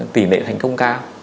tỉ lệ thành công cao